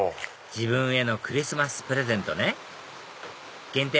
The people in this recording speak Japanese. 自分へのクリスマスプレゼントね限定